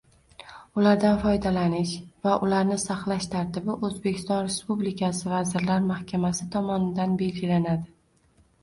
ulardan foydalanish va ularni saqlash tartibi O‘zbekiston Respublikasi Vazirlar Mahkamasi tomonidan belgilanadi.